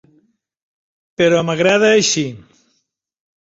Però m'agrada així.